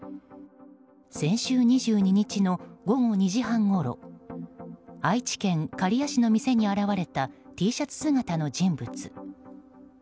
先週２２日の午後２時半ごろ愛知県刈谷市の店に現れたＴシャツ姿の人物。